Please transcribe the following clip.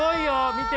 見て！